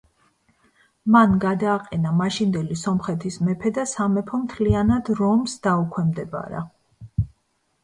მან გადააყენა მაშინდელი სომხეთის მეფე და სამეფო მთლიანად რომს დაუქვემდებარა.